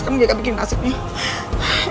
kan juga bikin nasibnya